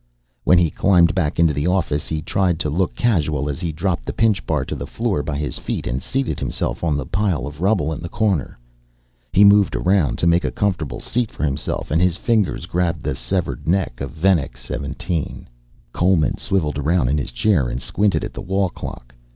When he climbed back into the office he tried to look casual as he dropped the pinch bar to the floor by his feet and seated himself on the pile of rubble in the corner. He moved around to make a comfortable seat for himself and his fingers grabbed the severed neck of Venex 17. Coleman swiveled around in his chair and squinted at the wall clock.